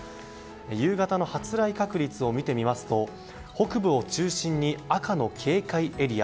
夕方の発雷確率を見てみますと北部を中心に赤の警戒エリア